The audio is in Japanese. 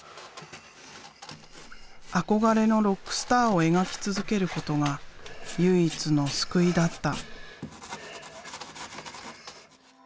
憧れのロックスターを描き続けることが唯一の救いだった。